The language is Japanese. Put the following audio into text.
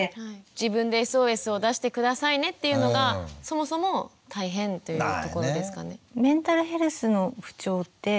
「自分でＳＯＳを出して下さいね」というのがそもそも大変というところですかね。